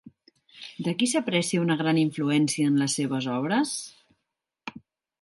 De qui s'aprecia una gran influència en les seves obres?